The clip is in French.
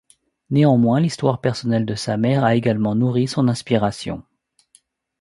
Néanmoins, l'histoire personnelle de sa mère a également nourri son inspiration.